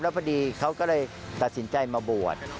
พอดีเขาก็เลยตัดสินใจมาบวช